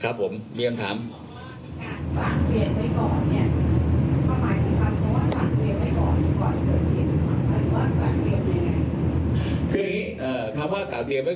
คำว่าต่างเตรียมไว้ก่อนความหมายคือคำว่าต่างเตรียมไว้ก่อนหรือความหมายคือคำว่าต่างเตรียมไว้ไหน